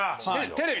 「テレビ」！